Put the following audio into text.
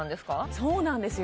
そうなんですよ